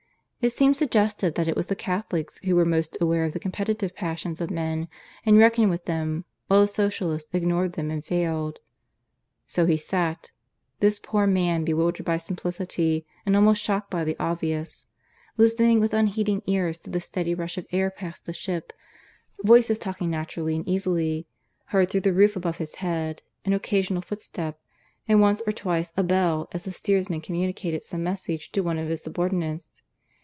It seemed suggestive that it was the Catholics who were most aware of the competitive passions of men and reckoned with them, while the Socialists ignored them and failed. So he sat this poor man bewildered by simplicity and almost shocked by the obvious listening with unheeding ears to the steady rush of air past the ship, voices talking naturally and easily, heard through the roof above his head, an occasional footstep, and once or twice a bell as the steersman communicated some message to one of his subordinates.